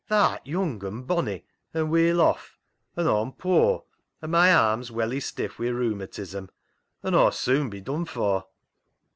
" Tha'rt young and bonny, an' weel off, and Aw'm poor, and my arm's welly stiff wi' rheuma tism, an' Aw's soon be dun for."